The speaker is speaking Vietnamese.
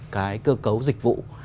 cái cơ cầu dịch vụ